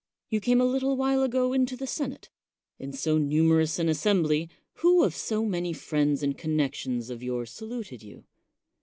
You came a little while ago into the senate; in so numerous an assembly, who of so many friends and connections of yours saluted you?